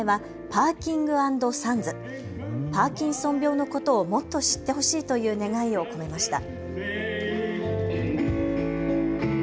パーキンソン病のことをもっと知ってほしいという願いを込めました。